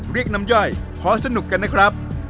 เรียกน้ำย่อยขอสนุกกันนะครับ